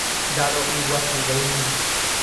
Ndaro'yguasuvéima.